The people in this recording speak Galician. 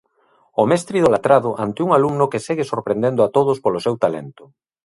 O mestre idolatrado ante un alumno que segue sorprendendo a todos polo seu talento.